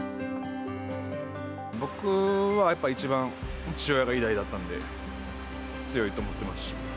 僕はやっぱ一番、父親が偉大だったんで、強いと思ってますし。